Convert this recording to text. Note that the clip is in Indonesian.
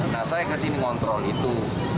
nah saya kesini ngontrol itu